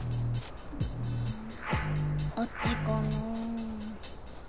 あっちかなあ。